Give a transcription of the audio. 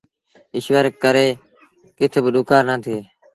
ايٚشور ڪري ڪٿ با ڏُڪآر نا ٿئي۔